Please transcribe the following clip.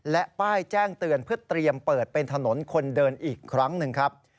และป้ายแจ้งเตือนเพื่อเตรียมเปิดเป็นถนนคนเดินอีกครั้งหนึ่งครับ